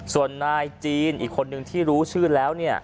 ส่วนนายจีนอีกคนนึงที่รู้ชื่อแล้วเนี่ย